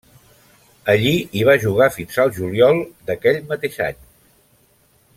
Allí hi va jugar fins al juliol d'aquell mateix any.